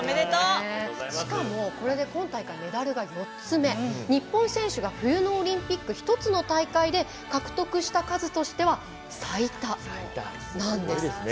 しかもこれで今大会メダルが４つ目日本選手が冬のオリンピック１つの大会で獲得した数としては最多なんです。